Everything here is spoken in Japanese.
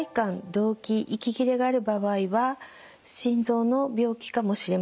動悸息切れがある場合は心臓の病気かもしれません。